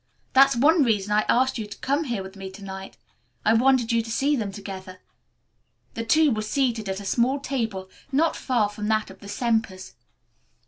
"That's one reason I asked you to come here with me to night. I wanted you to see them together." The two were seated at a small table not far from that of the Sempers.